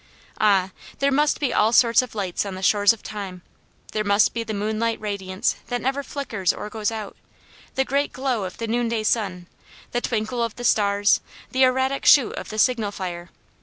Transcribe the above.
Ah, there must be all sorts of lights on the shores of time ! There must be the moonlight radiance that never flickers or goes out ; the great glow of the noon day sun, the twinkle of the stars, the erratic shoot of the signal fire.